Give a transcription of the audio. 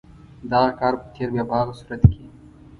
دغه کار په تېره بیا په هغه صورت کې.